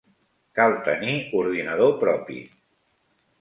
Cal tenir ordinador propi.